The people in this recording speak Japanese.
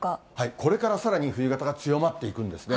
これからさらに冬型が強まっていくんですね。